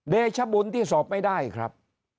เดชบุญที่สอบไม่ได้ครับ